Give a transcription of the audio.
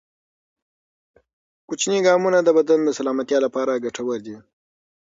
کوچني ګامونه د بدن د سلامتیا لپاره ګټور دي.